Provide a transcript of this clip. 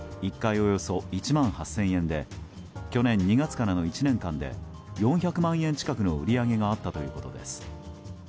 およそ１万８０００円で去年２月からの１年間で４００万円近くの売り上げがあったということです。